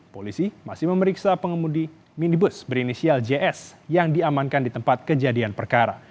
polisi masih memeriksa pengemudi minibus berinisial js yang diamankan di tempat kejadian perkara